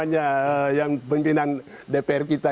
yang pemimpinan dpr kita